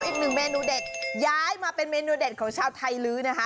อีกหนึ่งเมนูเด็ดย้ายมาเป็นเมนูเด็ดของชาวไทยลื้อนะคะ